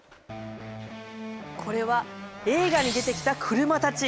これは映画に出てきた車たち。